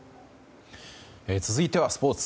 続いてはスポーツ。